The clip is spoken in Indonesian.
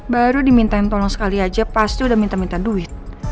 baru dimintain tolong sekali aja pas udah minta minta duit